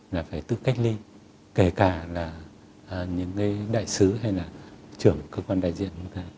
là phải tự cách ly kể cả là những cái đại sứ hay là trưởng cơ quan đại diện bắc cạn